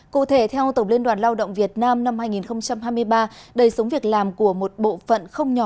cụ thể theo tổng liên đoàn lao động việt nam năm hai nghìn hai mươi ba đời sống việc làm của một bộ phận không nhỏ